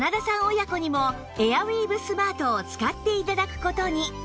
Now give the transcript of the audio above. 親子にもエアウィーヴスマートを使って頂く事に